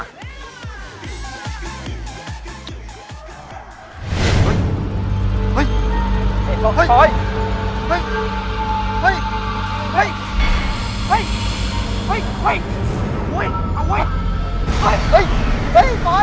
ชมโรมพลังจิต